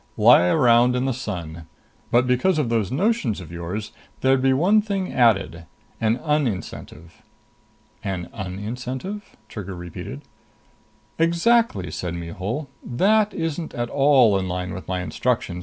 Lie around in the sun. But because of those notions of yours, there'd be one thing added. An un incentive." "An un incentive?" Trigger repeated. "Exactly," said Mihul. "That isn't at all in line with my instructions.